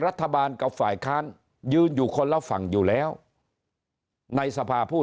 รัฐบาลกับฝ่ายค้านยืนอยู่คนละฝั่งอยู่แล้วในสภาผู้